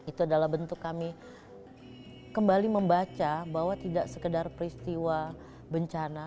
itu adalah bentuk kami kembali membaca bahwa tidak sekedar peristiwa bencana